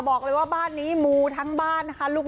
บอกเลยว่าบ้านนี้มูทั้งบ้านนะคะ